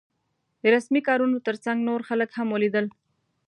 د رسمي کارونو تر څنګ نور خلک هم ولیدل.